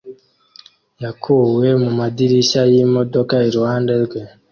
yakuwe mumadirishya yimodoka iruhande rwe